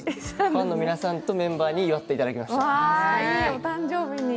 ファンの皆さんとメンバーに祝っていただきました。